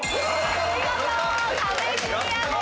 見事壁クリアです。